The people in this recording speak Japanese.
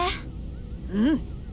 うん。